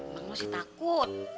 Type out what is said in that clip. bang lo sih takut